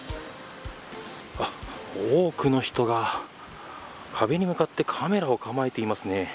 多くの人が壁に向かってカメラを構えていますね。